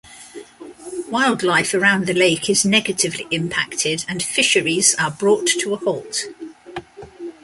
Wildlife around the lake is negatively impacted and fisheries are brought to a halt.